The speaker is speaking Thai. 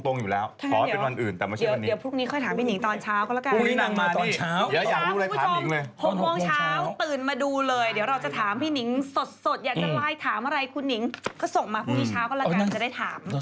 ก็ส่งมาพรุ่งนี้เช้าก็แล้วกันจะได้ถาม